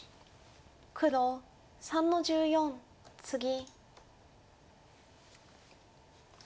黒３の十四ツギ。